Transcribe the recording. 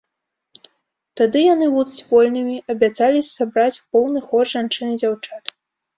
Тады яны будуць вольнымі, абяцалі сабраць поўны хор жанчын і дзяўчат.